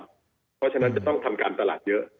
เพราะฉะนั้นจะต้องทำการตลาดเยอะ